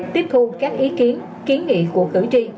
tiếp thu các ý kiến kiến nghị của cử tri